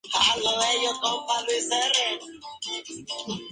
Jerome McKinley "Gerald" Henderson, Jr.